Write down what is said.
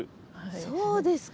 そうですか。